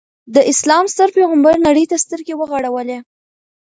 د اسلام ستر پیغمبر نړۍ ته سترګې وغړولې.